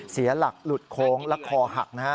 เสียหลักหลุดโค้งและคอหักนะฮะ